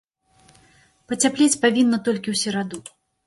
Пацяплець павінна толькі ў сераду.